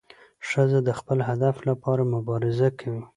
ښځه د خپل هدف لپاره مبارزه کوي.